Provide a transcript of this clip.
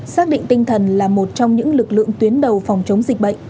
xác định tinh thần là một trong những lực lượng tuyến đầu phòng chống dịch bệnh